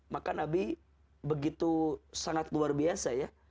maka nabi begitu sangat luar biasa ya